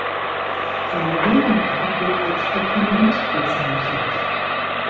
Sein Gegenpart wird als Opponent bezeichnet.